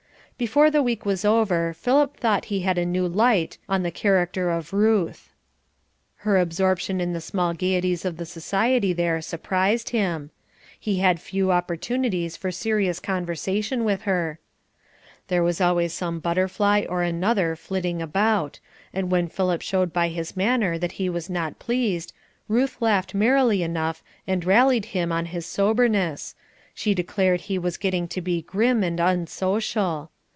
Before the week was over Philip thought he had a new light on the character of Ruth. Her absorption in the small gaieties of the society there surprised him. He had few opportunities for serious conversation with her. There was always some butterfly or another flitting about, and when Philip showed by his manner that he was not pleased, Ruth laughed merrily enough and rallied him on his soberness she declared he was getting to be grim and unsocial.